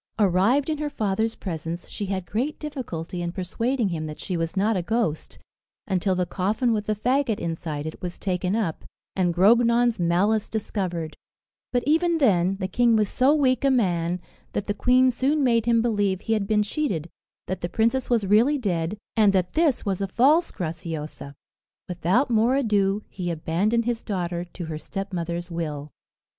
Arrived in her father's presence, she had great difficulty in persuading him that she was not a ghost, until the coffin with the faggot inside it was taken up, and Grognon's malice discovered But even then, the king was so weak a man, that the queen soon made him believe he had been cheated, that the princess was really dead, and that this was a false Graciosa. Without more ado, he abandoned his daughter to her stepmother's will.